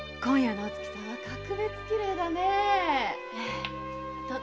今夜のお月さま